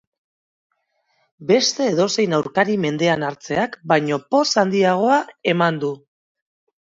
Beste edozein aurkari mendean hartzeak baino poz handiagoa eman du.